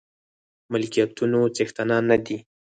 ملکيتونو څښتنان نه دي.